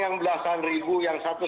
yang belasan ribu yang satu